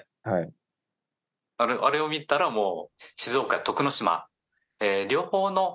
あれを見たらもう。